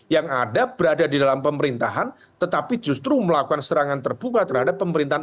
yang ada berada di dalam pemerintahan tetapi justru melakukan serangan terbuka terhadap pemerintahan